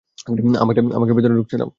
আমাকে ভেতরে ঢুকতে দাও!